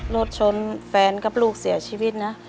รถชนแฟนกับลูกเสียชีวิตนะ